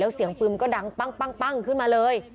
แล้วเสียงปืนก็ดังปั้งปั้งปั้งขึ้นมาเลย